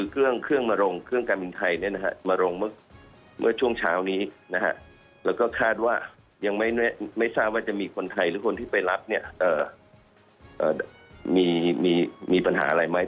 เครื่องมาลงเครื่องการบินไทยมาลงเมื่อช่วงเช้านี้แล้วก็คาดว่ายังไม่ทราบว่าจะมีคนไทยหรือคนที่ไปรับมีปัญหาอะไรไหม